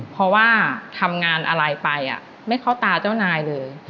เพราะว่าทำงานอะไรไปไม่เข้าตาเจ้านายเลย